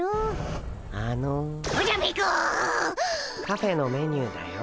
カフェのメニューだよ。